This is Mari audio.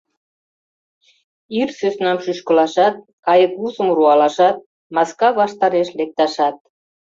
Ир сӧснам шӱшкылашат, кайыквусым руалашат, маска ваштареш лекташат.